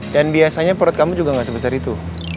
dan biasanya perut kamu juga gak sebesar itu